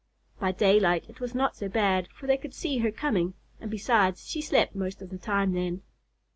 By daylight it was not so bad, for they could see her coming, and besides, she slept much of the time then.